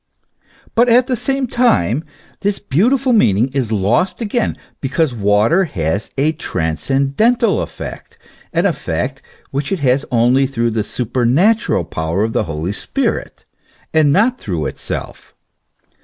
But, at the very same time, this beautiful meaning is lost again because water has a transcendental effect, an effect which it has only through the supernatural power of the Holy Spirit, and not through itself.